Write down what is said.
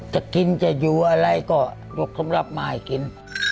จะกินจะอยู่อะไรก็ยกสำหรับมาให้กิน